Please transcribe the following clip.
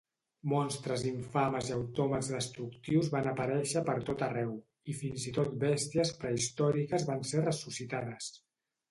Monstres infames i autòmats destructius van aparèixer per tot arreu, i fins i tot bèsties prehistòriques van ser ressuscitades.